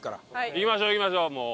行きましょう行きましょうもう。